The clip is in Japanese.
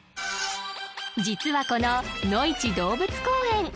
実はこののいち動物公園